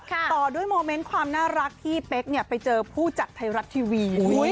ต่อด้วยโมเมนต์ความน่ารักที่เป๊กไปเจอผู้จัดไทยรัฐทีวี